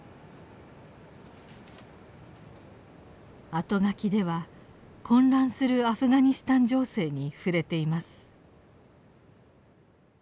あとがきでは混乱するアフガニスタン情勢に触れています。